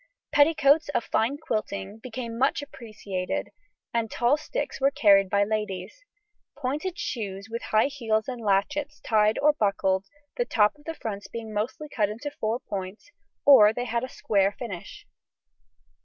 Petticoats of fine quilting became much appreciated, and tall sticks were carried by ladies. Pointed shoes with high heels and latchets tied or buckled, the top of the fronts being mostly cut into four points, or they had a square finish.